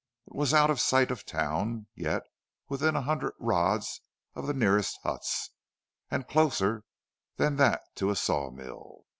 It was out of sight of town, yet within a hundred rods of the nearest huts, and closer than that to a sawmill.